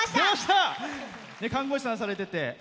看護師さんをされていて。